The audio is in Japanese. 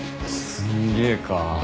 すんげえか。